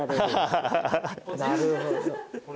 なるほど。